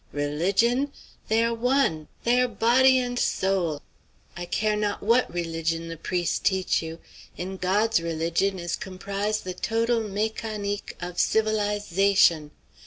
Religion? They are one! They are body and soul! I care not what religion the priest teach you; in God's religion is comprise' the total mécanique of civilize ation.